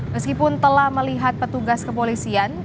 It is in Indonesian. meskipun telah melihat petugas kepolisian